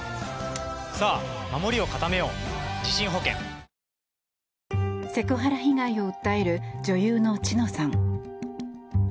「システマ」セクハラ被害を訴える女優の知乃さん。